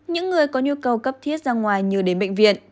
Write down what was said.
những người có nhu cầu cấp thiết ra ngoài như đến bệnh viện